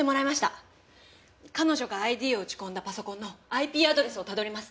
彼女がＩＤを打ち込んだパソコンのＩＰアドレスをたどります。